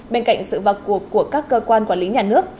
bên cạnh sự vào cuộc của các cơ quan quản lý nhà nước